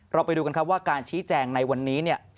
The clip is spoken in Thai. เราไปดูกันครับว่าการชี้แจงในวันนี้